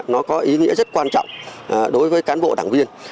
nó có ý nghĩa rất quan trọng đối với cán bộ đảng viên